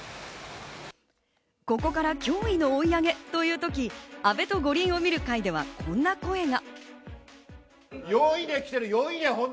ここから驚異の追い上げという時、「阿部と五輪を見る会」ではこんな声が。